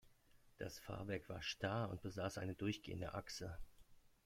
Das Fahrwerk war starr und besaß eine durchgehende Achse.